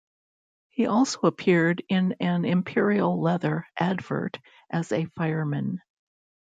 He also appeared in an Imperial Leather advert as a fireman.